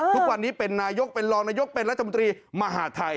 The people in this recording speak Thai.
ทุกวันนี้เป็นนายกเป็นรองนายกเป็นรัฐมนตรีมหาทัย